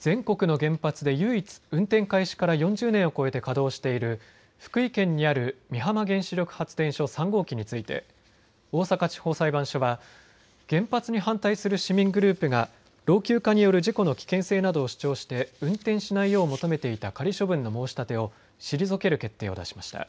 全国の原発で唯一、運転開始から４０年を超えて稼働している福井県にある美浜原子力発電所３号機について大阪地方裁判所は原発に反対する市民グループが老朽化による事故の危険性などを主張して運転しないよう求めていた仮処分の申し立てを退ける決定を出しました。